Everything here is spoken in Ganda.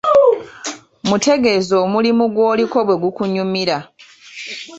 Mutegeeze omulimu gw'oliko bwe gukunyumira.